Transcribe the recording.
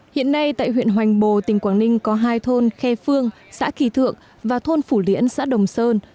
hiện nay tại huyện hoành bồ tỉnh quảng ninh có hai thôn khe phương xã kỳ thượng và thôn phủ liễn xã đồng sơn